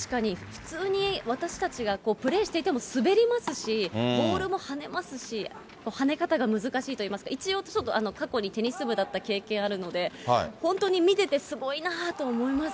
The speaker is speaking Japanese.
普通に私たちがプレーしていても滑りますし、ボールも跳ねますし、跳ね方が難しいといいますか、一応、ちょっと過去にテニス部だった経験あるので、本当に見てて、すごいなと思います。